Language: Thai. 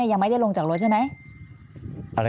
ยังไม่ได้ลงจากรถใช่ไหม